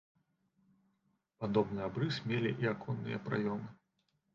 Падобны абрыс мелі і аконныя праёмы.